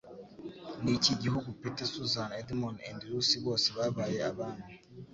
Niki gihugu "Peter, Susan, Edmund & Lucy" Bose Babaye Abami